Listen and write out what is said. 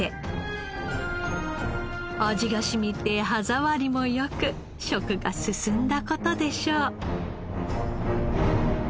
味が染みて歯触りも良く食が進んだ事でしょう。